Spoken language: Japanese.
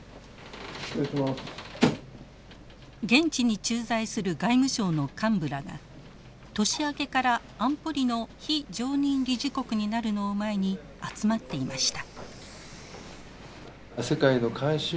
現地に駐在する外務省の幹部らが年明けから安保理の非常任理事国になるのを前に集まっていました。